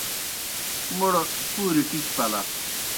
موْڑ پُوریْ ٹِکیْ پلہ۔